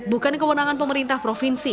bukan kewenangan pemerintah provinsi